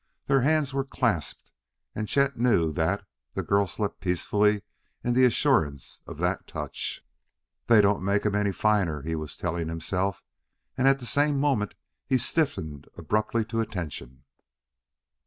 Their hands were clasped, and Chet knew that the girl slept peacefully in the assurance of that touch. "They don't make 'em any finer!" he was telling himself, and at the same moment he stiffened abruptly to attention.